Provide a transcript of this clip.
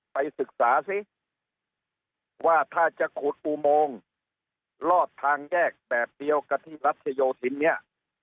ไปศึกษาสิว่าถ้าจะขุดอุโมงลอดทางแยกแบบเดียวกับที่รัชโยธินเนี่ย